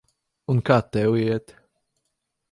Un kā tev iet?